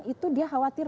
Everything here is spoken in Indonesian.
itu dia khawatir